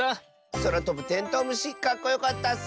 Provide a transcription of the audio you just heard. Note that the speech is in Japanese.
そらとぶテントウムシかっこよかったッス！